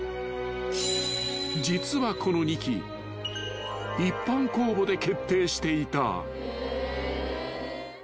［実はこの２機一般公募で決定していた］